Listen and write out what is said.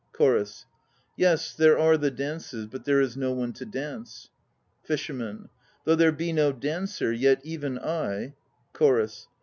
CHORUS. Yes, there are the d^ces; but there is no one to dance. FISHERMAN. Though there be no dancer, yet even I CHORUS.